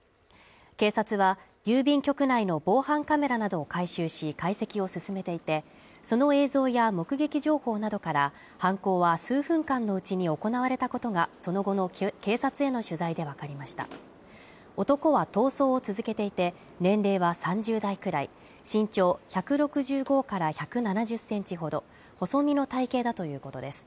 警察は郵便局内の防犯カメラなどを回収し解析を進めていてその映像や目撃情報などから犯行は数分間のうちに行われたことがその後の警察への取材で分かりました男は逃走を続けていて年齢は３０代くらい身長１６５から１７０センチほど細身の体型だということです